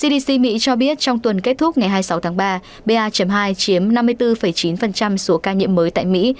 tuy nhiên trong tuần kết thúc ngày hai mươi sáu tháng ba pa hai chiếm năm mươi bốn chín số ca nhiễm mới tại mỹ